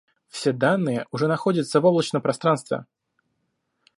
Все данные уже находятся в облачном пространстве